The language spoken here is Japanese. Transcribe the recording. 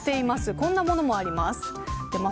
こんなものもあります。